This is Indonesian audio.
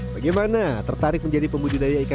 bagaimana tertarik menjadi pembudidaya ikan